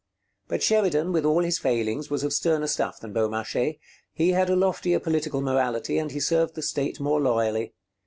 But Sheridan, with all his failings, was of sterner stuff than Beaumarchais. He had a loftier political morality, and he served the State more loyally.